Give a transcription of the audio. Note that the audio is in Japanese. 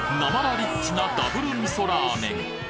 リッチなダブル味噌ラーメン